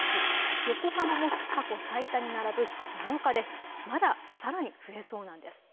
横浜も過去最多に並ぶ７日でまださらに増えそうなんです。